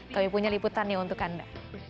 kami punya liputannya untuk anda